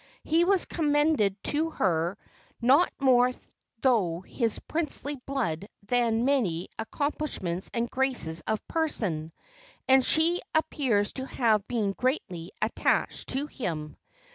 He was commended to her not more through his princely blood than his many accomplishments and graces of person, and she appears to have been greatly attached to him.